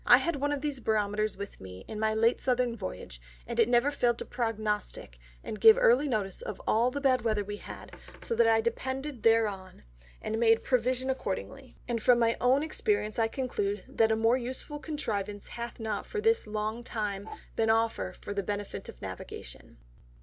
I had one of these Barometers with me in my late Southern Voyage, and it never failed to prognostick and give early notice of all the bad Weather we had, so that I depended thereon, and made provision accordingly; and from my own Experience I conclude that a more useful Contrivance hath not for this long time been offer for the benefit of Navigation.